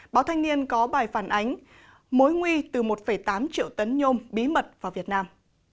báo thanh niên có bài phản ánh mối nguy từ một tám triệu tấn nhôm bí mật vào việt nam